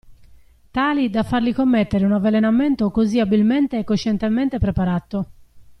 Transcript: Tali da fargli commettere un avvelenamento così abilmente e coscientemente preparato.